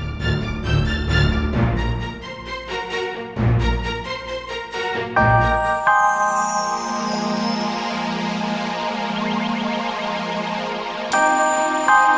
ini isinya sudah giliran